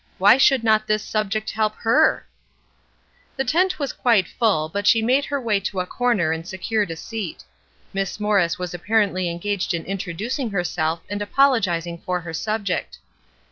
Why should not this subject help her? The tent was quite full, but she made her way to a corner and secured a seat. Miss Morris was apparently engaged in introducing herself and apologizing for her subject.